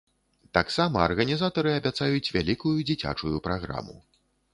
Таксама арганізатары абяцаюць вялікую дзіцячую праграму.